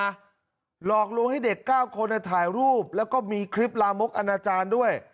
หลอกลวงให้เด็ก๙คนถ่ายรูปแล้วก็มีคลิปลามกอนาจารย์ด้วย